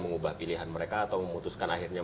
mengubah pilihan mereka atau memutuskan akhirnya